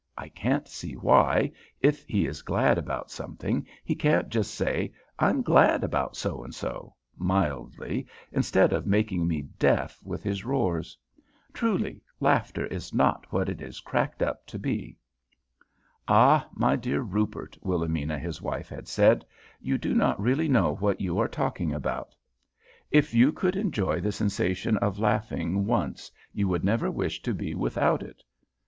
I can't see why, if he is glad about something, he can't just say, "I'm glad about so and so," mildly, instead of making me deaf with his roars. Truly, laughter is not what it is cracked up to be.' "'Ah, my dear Rupert,' Wilhelmina, his wife, had said, 'you do not really know what you are talking about! If you could enjoy the sensation of laughing once you would never wish to be without it.'